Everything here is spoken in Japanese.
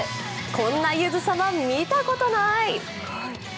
こんなゆづ様見たことない！